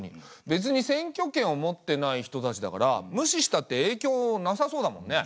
べつに選挙権を持ってない人たちだから無視したってえいきょうなさそうだもんね。